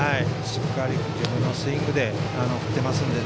しっかり自分のスイングで振っていますので。